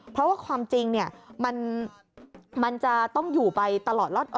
เพราะว่าความจริงมันจะต้องอยู่ไปตลอดรอดออก